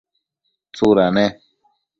tsuda ne?